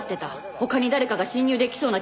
他に誰かが侵入できそうな経路もない。